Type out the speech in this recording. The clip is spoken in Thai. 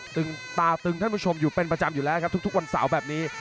ตาตึงท่านผู้ชมอยู่เป็นประจำอยู่แล้วครับทุกวันเสาร์แบบนี้